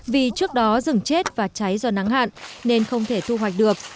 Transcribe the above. vì trước đó rừng chết và cháy do nắng hạn nên không thể thu hoạch được